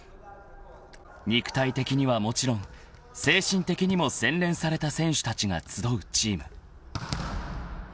［肉体的にはもちろん精神的にも洗練された選手たちが集うチーム］